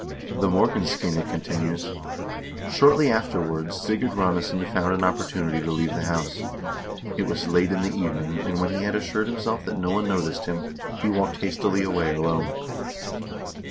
The " Morkinskinna " continues: "Shortly afterwards Sigurd Ranesson found an opportunity to leave the house. It was late in the evening, and when he had assured himself that no one noticed him, he walked hastily away alone.